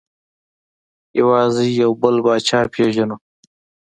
یوازې یو بل پاچا پېژنو.